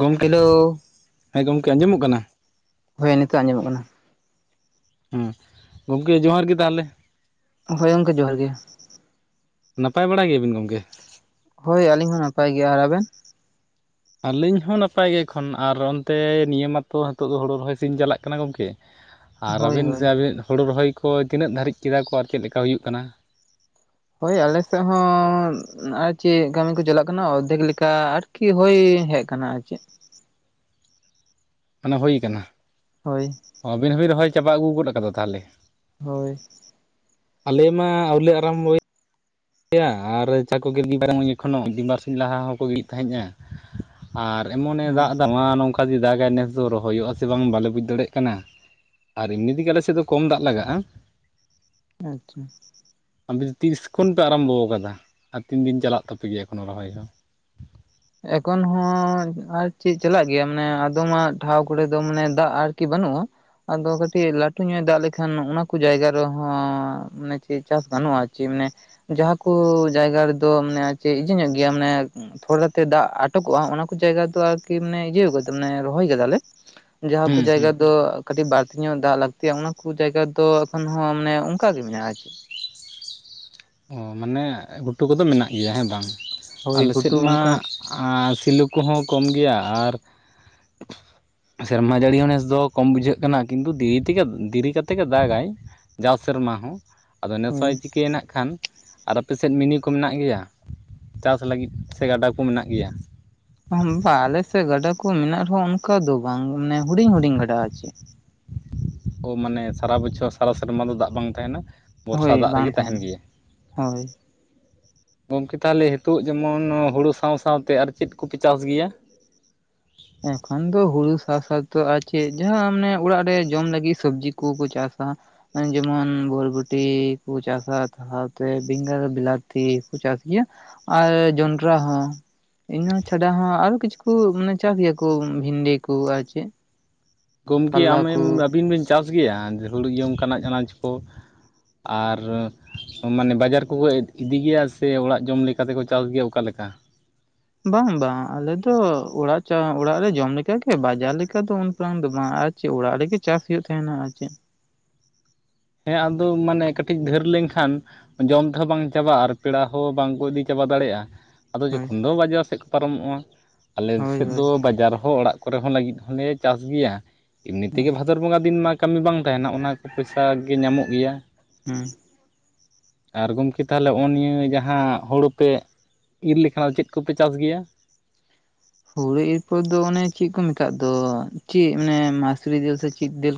ᱜᱚᱢᱠᱮ ᱦᱮᱞᱳ ᱦᱮᱸ ᱜᱚᱢᱠᱮ ᱟᱸᱡᱚᱢᱚᱜ ᱠᱟᱱᱟ? ᱦᱳᱭ ᱱᱤᱛᱳᱜ ᱟᱸᱡᱚᱢᱚᱜ ᱠᱟᱱᱟ᱾ ᱦᱮᱸ ᱜᱚᱢᱠᱮ ᱡᱚᱦᱟᱨ ᱜᱮ ᱛᱟᱦᱚᱞᱮ ᱦᱳᱭ ᱜᱚᱝᱠᱮ ᱡᱚᱦᱟᱨ ᱜᱮ ᱱᱟᱯᱟᱭ ᱵᱟᱲᱟ ᱜᱮᱭᱟᱵᱤᱱ ᱜᱚᱢᱠᱮ ᱦᱳᱭ ᱟᱹᱞᱤᱧ ᱦᱚᱸ ᱱᱟᱯᱟᱭ ᱜᱮᱭᱟ ᱟᱨ ᱟᱵᱮᱱ᱾ ᱟᱹᱞᱤᱧ ᱦᱚᱸ ᱱᱟᱯᱟᱭ ᱜᱮ ᱮᱠᱷᱚᱱ ᱟᱨ ᱚᱱᱛᱮ ᱱᱤᱭᱟᱹ ᱢᱟᱛᱚ ᱱᱤᱛᱚᱜ ᱫᱚ ᱦᱳᱲ ᱨᱚᱦᱚᱭ ᱥᱮᱧ ᱪᱟᱞᱟᱜ ᱠᱟᱱᱟ ᱜᱚᱢᱠᱮ᱾ ᱟᱨ ᱦᱳᱭ ᱟᱵᱤᱱ ᱦᱳᱭ ᱥᱮ ᱟᱵᱤᱱ ᱦᱳᱲᱩ ᱨᱚᱦᱚᱭ ᱠᱚ ᱛᱤᱱᱟᱹᱜ ᱫᱷᱟᱹᱨᱤᱡ ᱠᱮᱫᱟ ᱠᱚ ᱟᱨ ᱪᱮᱫ ᱞᱮᱠᱟ ᱦᱩᱭᱩᱜ ᱠᱟᱱᱟ᱾ ᱦᱳᱭ ᱟᱞᱮᱥᱮᱫ ᱦᱚᱸ ᱟᱨ ᱪᱮᱫ ᱠᱟᱹᱢᱤ ᱠᱚ ᱪᱟᱞᱟᱜ ᱠᱟᱱᱟ ᱚᱨᱫᱷᱮᱠ ᱞᱮᱠᱟ ᱟᱨᱠᱤ ᱦᱳᱭ ᱦᱮᱡ ᱠᱟᱱᱟ ᱟᱨ ᱪᱮᱫ ᱢᱟᱱᱮ ᱦᱩᱭ ᱟᱠᱟᱱᱟ᱾ ᱦᱳᱭ ᱟᱵᱤᱱ ᱦᱚᱵᱤᱱ ᱨᱚᱦᱚᱭ ᱪᱟᱵᱟ ᱟᱹᱜᱩ ᱜᱚᱫ ᱟᱠᱟᱫᱟ ᱛᱟᱦᱚᱞᱮ? ᱦᱳᱭ ᱟᱞᱮ ᱢᱟ ᱟᱹᱣᱞᱮ ᱟᱨᱟᱢ ᱵᱚᱭᱟ᱾ ᱭᱟ ᱟᱨ ᱪᱟᱠᱚ ᱜᱮᱫ ᱯᱟᱨᱮ ᱡᱚᱠᱷᱚᱱᱳ ᱢᱤᱫᱵᱟᱨ ᱥᱮᱫ ᱞᱟᱦᱟ ᱦᱚᱸᱠᱚ ᱜᱮᱫ ᱛᱟᱦᱮᱸᱫᱼᱟ᱾ ᱟᱨ ᱮᱢᱚᱱᱮ ᱫᱟᱜ ᱫᱟ ᱢᱟ ᱱᱚᱝᱠᱟ ᱜᱮ ᱫᱟᱜᱟᱭ ᱱᱮᱥ ᱫᱚ ᱨᱚᱦᱚᱭᱚᱜ ᱟᱥᱮ ᱵᱟᱝ ᱵᱟᱞᱮ ᱵᱩᱡᱽ ᱫᱟᱲᱮᱭᱟᱜ ᱠᱟᱱᱟ᱾ ᱟᱨ ᱮᱢᱱᱤ ᱛᱮᱜᱮ ᱟᱞᱮ ᱥᱮᱫ ᱫᱚ ᱠᱚᱢ ᱫᱟᱜ ᱞᱟᱜᱟᱜᱼᱟ᱾ ᱟᱪᱪᱷᱟ ᱟᱯᱮᱱ ᱛᱤᱥ ᱠᱷᱚᱱ ᱯᱮ ᱟᱨᱟᱢᱵᱚ ᱠᱟᱫᱟ ᱟᱨ ᱛᱤᱱ ᱫᱤᱱ ᱪᱟᱞᱟᱜ ᱛᱟᱯᱮ ᱜᱮᱭᱟ ᱮᱠᱷᱚᱱᱳ ᱨᱚᱦᱚᱭ ᱫᱚ? ᱮᱠᱷᱚᱱᱳ ᱟᱨ ᱪᱮᱫ ᱪᱟᱞᱟᱜ ᱜᱮᱭᱟ ᱢᱟᱱᱮ ᱟᱫᱚᱢᱟᱜ ᱴᱷᱟᱶ ᱠᱚᱨᱮ ᱫᱚ ᱢᱟᱱᱮ ᱫᱟᱜ ᱟᱨᱠᱤ ᱵᱟᱹᱱᱩᱜᱼᱟ᱾ ᱟᱫᱚ ᱠᱟᱹᱴᱤᱡ ᱞᱟᱹᱴᱩ ᱧᱚᱜ ᱫᱟᱜ ᱞᱮᱠᱷᱟᱱ ᱚᱱᱟ ᱠᱚ ᱡᱟᱭᱜᱟ ᱨᱮᱦᱚᱸ ᱢᱟᱱᱮ ᱪᱮᱫ ᱪᱟᱥ ᱜᱟᱱᱚᱜ-ᱟ ᱪᱮᱫ ᱢᱟᱱᱮ᱾ ᱡᱟᱦᱟᱸ ᱠᱚ ᱡᱟᱭᱜᱟ ᱨᱮᱫᱚ ᱢᱟᱱᱮ ᱪᱮᱫ ᱤᱡᱤ ᱧᱚᱜ ᱜᱮᱭᱟ ᱢᱟᱱᱮ ᱛᱷᱚᱲᱟ᱾ ᱫᱟᱜ ᱟᱴᱚᱠᱚᱜᱼᱟ ᱚᱱᱟ ᱠᱚ ᱡᱟᱭᱜᱟ ᱫᱚ ᱟᱨᱠᱤ ᱢᱟᱱᱮ ᱤᱭᱟᱹ ᱢᱟᱱᱮ ᱨᱚᱦᱚᱭ ᱠᱟᱫᱟᱞᱮ᱾ ᱡᱟᱦᱟᱸ ᱠᱚ ᱦᱩᱸ ᱦᱩᱸ ᱡᱟᱭᱜᱟ ᱫᱚ᱾ ᱠᱟᱹᱴᱤᱡ ᱵᱟᱹᱲᱛᱤ ᱧᱚᱜ ᱫᱟᱜ ᱞᱟᱹᱠᱛᱤᱭᱟ ᱚᱱᱟ ᱠᱚ ᱡᱟᱭᱜᱟ ᱫᱚ ᱮᱠᱷᱚᱱ ᱦᱚᱸ ᱢᱟᱱᱮ ᱚᱱᱠᱟ ᱜᱮ ᱢᱮᱱᱟᱜᱼᱟ ᱪᱮᱫ᱾ ᱚ ᱢᱟᱱᱮ ᱜᱷᱩᱴᱩ ᱠᱚᱫᱚ ᱢᱮᱱᱟᱜ ᱜᱮᱭᱟ ᱦᱮᱸ ᱵᱟᱝ ᱦᱳᱭ ᱟᱞᱮ ᱥᱮᱫ ᱜᱷᱩᱴᱩ ᱢᱟ᱾ ᱚᱱᱠᱟ ᱟᱨ ᱥᱤᱞᱩ ᱠᱚᱦᱚᱸ ᱠᱚᱢ ᱜᱮᱭᱟ ᱟᱨ᱾ ᱥᱮᱨᱢᱟ ᱡᱟᱹᱲᱤ ᱦᱚᱸ ᱱᱮᱥ ᱫᱚ ᱠᱚᱢ ᱵᱩᱡᱷᱟᱹᱜ ᱠᱟᱱᱟ ᱠᱤᱱᱛᱩ ᱫᱤᱨᱤ ᱛᱮᱜᱮ ᱫᱮᱨᱤ ᱠᱟᱛᱮ ᱜᱮ ᱫᱟᱜᱟᱭ᱾ ᱡᱟᱣ ᱥᱮᱨᱢᱟ ᱦᱚᱸ ᱟᱫᱚ ᱦᱳᱭ ᱱᱮᱥᱚᱭ ᱪᱤᱠᱟᱹᱭᱮᱱᱟ ᱦᱟᱸᱜ ᱠᱷᱟᱱ᱾ ᱟᱨ ᱟᱯᱮᱥᱮᱫ ᱢᱤᱱᱤ ᱠᱚ ᱢᱮᱱᱟᱜ ᱜᱮᱭᱟ ᱪᱟᱥ ᱞᱟᱹᱜᱤᱫ ᱥᱮ ᱜᱟᱰᱟ ᱠᱚ ᱢᱮᱱᱟᱜ ᱜᱮᱭᱟ᱾ ᱵᱟᱝ ᱟᱞᱮᱥᱮᱫ ᱜᱟᱰᱟ ᱠᱚ ᱢᱮᱱᱟᱜ ᱨᱮᱦᱚᱸ ᱚᱱᱠᱟ ᱫᱚ ᱵᱟᱝ ᱢᱟᱱᱮ ᱦᱩᱰᱤᱧ ᱦᱩᱰᱤᱧ ᱜᱟᱰᱟ ᱟᱨ ᱪᱮᱫ᱾ ᱢᱟᱱᱮ ᱥᱟᱨᱟ ᱵᱚᱪᱷᱚᱨ ᱥᱟᱨᱟ ᱥᱮᱨᱢᱟ ᱫᱚ ᱫᱟᱜ ᱵᱟᱝ ᱛᱟᱦᱮᱸᱱᱟ᱾ ᱵᱚᱨᱥᱟ ᱦᱳᱭ ᱫᱟᱜ ᱨᱮᱜᱮ ᱵᱟᱝ ᱛᱟᱦᱮᱱ ᱛᱟᱦᱮᱱᱟ ᱜᱮᱭᱟ ᱦᱮᱸ᱾ ᱦᱳᱭ ᱜᱚᱝᱠᱮ ᱛᱟᱦᱚᱞᱮ ᱱᱤᱛᱚᱜ ᱡᱮᱢᱚᱱ ᱦᱳᱲᱩ ᱥᱟᱶ ᱥᱟᱶᱛᱮ ᱟᱨ ᱪᱮᱫ ᱠᱚᱯᱮ ᱪᱟᱥ ᱜᱮᱭᱟ‍‍᱾ ᱮᱠᱷᱚᱱ ᱫᱚ ᱦᱩᱲᱩ ᱥᱟᱥᱛᱚ ᱟᱨ ᱪᱮᱫ ᱡᱟᱦᱟᱸ ᱢᱟᱱᱮ ᱚᱲᱟᱜ ᱨᱮ ᱡᱚᱢ ᱞᱟᱹᱜᱤᱫ ᱥᱚᱵᱡᱤ ᱠᱚᱠᱚ ᱪᱟᱥᱟ᱾ ᱡᱮᱢᱚᱱ ᱵᱚᱞᱵᱚᱴᱤ ᱠᱚ ᱪᱟᱥᱟ ᱥᱟᱶᱛᱮ ᱵᱮᱸᱜᱟᱲ ᱵᱤᱞᱟᱛᱤ ᱠᱚ ᱪᱟᱥ ᱜᱮᱭᱟ᱾ ᱟᱨ ᱡᱚᱱᱰᱨᱟ ᱦᱚᱸ ᱤᱧ ᱪᱷᱟᱰᱟ ᱦᱚᱸ ᱟᱨᱚ ᱠᱤᱪᱷᱩ ᱢᱟᱱᱮ᱾ ᱪᱟᱥ ᱜᱮᱭᱟ ᱠᱚ ᱵᱷᱤᱱᱰᱤ ᱠᱚ ᱟᱨ ᱪᱮᱫ᱾ ᱜᱚᱢᱠᱮ ᱠᱟᱞᱞᱟ ᱟᱢᱮᱢ ᱠᱚ ᱟᱹᱵᱤᱱ ᱵᱤᱱ ᱪᱟᱥ ᱜᱮᱭᱟ ᱦᱩᱲᱩ ᱚᱢᱠᱟᱱᱟᱜ ᱟᱱᱟᱡᱽ ᱠᱚ᱾ ᱟᱨ ᱢᱟᱱᱮ ᱵᱟᱡᱟᱨ ᱠᱚᱠᱚ ᱤᱫᱤ ᱜᱮᱭᱟ ᱥᱮ ᱚᱲᱟᱜ ᱡᱚᱢ ᱞᱮᱠᱟ ᱛᱮᱠᱚ ᱪᱟᱥ ᱜᱮᱭᱟ ᱚᱠᱟ ᱞᱮᱠᱟ ᱾ ᱵᱟᱝ ᱵᱟᱝ ᱟᱞᱮᱫᱚ ᱚᱲᱟᱜ ᱚᱲᱟᱜ ᱨᱮ ᱡᱚᱢ ᱞᱮᱠᱟ ᱜᱮ ᱵᱟᱡᱟᱨ ᱞᱮᱠᱟ ᱫᱚ ᱩᱱ ᱯᱞᱟᱝ ᱫᱚ ᱵᱟᱝ ᱪᱮᱫ ᱚᱲᱟᱜ ᱨᱮᱜᱮ ᱪᱟᱥ ᱦᱳᱭᱳᱜ ᱛᱟᱦᱮᱱᱟ ᱟᱨ ᱪᱮᱫ᱾ ᱦᱮᱸ ᱟᱫᱚ ᱢᱟᱱᱮ ᱠᱟᱹᱴᱤᱡ ᱫᱷᱟᱹᱨ ᱞᱮᱱᱠᱷᱟᱱ᱾ ᱡᱚᱢ ᱛᱮᱦᱚᱸ ᱵᱟᱝ ᱪᱟᱵᱟᱜᱼᱟ ᱟᱨ ᱯᱮᱲᱟ ᱦᱚᱸ ᱵᱟᱝᱠᱚ ᱤᱫᱤ ᱪᱟᱵᱟ ᱫᱟᱲᱮᱭᱟᱜᱼᱟ᱾ ᱟᱫᱚ ᱦᱳᱭ ᱡᱚᱠᱷᱚᱱ ᱫᱚ ᱵᱟᱡᱟᱨ ᱥᱮᱫ ᱠᱚ ᱯᱟᱨᱚᱢᱚᱜ-ᱟ ᱟᱞᱮ ᱦᱳᱭ ᱥᱮᱫ ᱦᱳᱭ ᱫᱚ ᱵᱟᱡᱟᱨ ᱦᱚᱸ ᱚᱲᱟᱜ ᱠᱚᱨᱮ ᱦᱚᱸ ᱞᱟᱹᱜᱤᱫ ᱦᱚᱸᱞᱮ ᱪᱟᱥ ᱜᱮᱭᱟ ᱮᱢᱱᱤ ᱛᱮᱜᱮ ᱵᱷᱟᱫᱚᱨ ᱵᱚᱸᱜᱟ ᱫᱤᱱ ᱢᱟ ᱠᱟᱹᱢᱤ ᱵᱟᱝ ᱛᱟᱦᱮᱸᱱᱟ ᱚᱱᱟ ᱠᱚ᱾ ᱯᱚᱭᱥᱟ ᱯᱷᱟᱠ ᱜᱮ ᱧᱟᱢᱚᱜ ᱜᱮᱭᱟ᱾ ᱦᱩᱸ ᱟᱨ ᱜᱚᱢᱠᱮ ᱛᱟᱦᱚᱞᱮ ᱱᱚᱜᱼᱚᱭ ᱱᱤᱭᱟᱹ ᱡᱟᱦᱟᱸ ᱦᱩᱲᱩ ᱯᱮ᱾ ᱤᱨ ᱞᱮᱠᱷᱟᱱ ᱫᱚ ᱪᱮᱫ ᱠᱚᱯᱮ ᱪᱟᱥ ᱜᱮᱭᱟ᱾ ᱦᱳᱲᱩ ᱤᱨ ᱯᱚᱨ ᱫᱚ ᱚᱱᱮ ᱪᱮᱫ ᱠᱚ ᱢᱮᱛᱟᱜ ᱫᱚ ᱪᱮᱫ ᱟᱱᱮ ᱢᱟᱥᱨᱤ ᱫᱟᱹᱞ ᱥᱮ ᱪᱮᱫ ᱫᱟᱹᱞ᱾